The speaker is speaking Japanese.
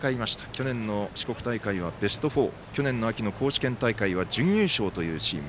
去年、四国大会はベスト４去年の秋の高知県大会は準優勝というチーム。